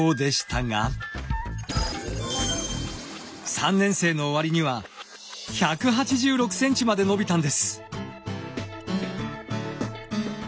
３年生の終わりには１８６ｃｍまで伸びたんです。